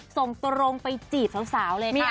ส่งตรงไปจีบสาวเลยค่ะ